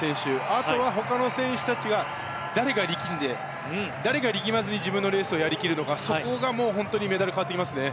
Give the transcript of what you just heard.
あとはほかの選手たちが誰が力んで誰が力まずに自分のレースをやり切れるのか、そこが本当にメダルが変わってきますね。